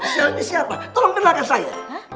selfie siapa tolong kenalkan saya